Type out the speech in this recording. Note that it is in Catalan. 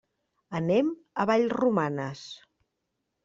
Anem a Vallromanes.